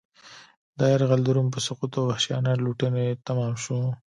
دا یرغل د روم په سقوط او وحشیانه لوټنې تمام شو